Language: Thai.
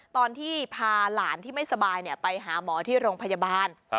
ตอนที่พาหลานที่ไม่สบายไปหาหมอที่โรงพยาบาล